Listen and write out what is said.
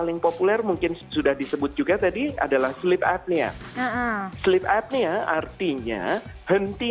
yang populer mungkin sudah disebut juga tadi adalah sleep apnea sleep apnea artinya henti